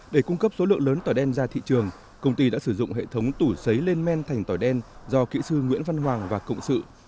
để cung cấp số lượng lớn tỏi đen ra thị trường công ty đã sử dụng hệ thống tủ xấy lên men thành tỏi đen do kỹ sư nguyễn văn hoàng và cộng sự